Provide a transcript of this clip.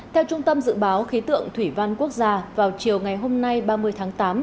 theo trung tâm dự báo khí tượng thủy văn quốc gia vào chiều ngày hôm nay ba mươi tháng tám